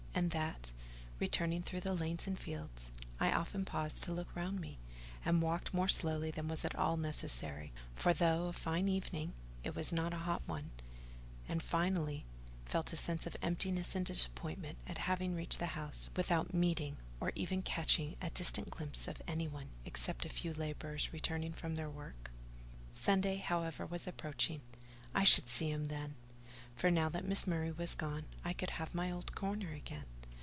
and that, returning through the lanes and fields, I often paused to look round me, and walked more slowly than was at all necessary—for, though a fine evening, it was not a hot one—and, finally, felt a sense of emptiness and disappointment at having reached the house without meeting or even catching a distant glimpse of any one, except a few labourers returning from their work? Sunday, however, was approaching: I should see him then: for now that Miss Murray was gone, I could have my old corner again.